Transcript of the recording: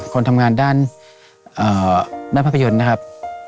คนทำงานด้านภาพยนตร์นะครับ